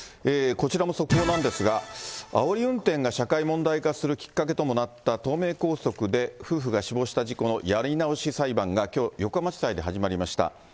こちらも速報なんですが、あおり運転が社会問題化するきっかけともなった東名高速で、夫婦が死亡した事故のやり直し裁判がきょう、横浜地裁で始まりました。